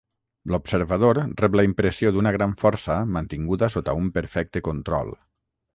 L'observador rep la impressió d'una gran força mantinguda sota un perfecte control.